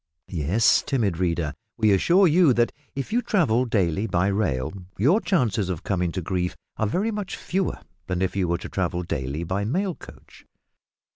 Yes, timid reader, we assure you that if you travel daily by rail your chances of coming to grief are very much fewer than if you were to travel daily by mail coach.